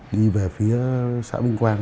đi về phía xã minh quang